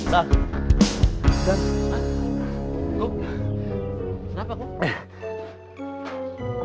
kok kenapa kok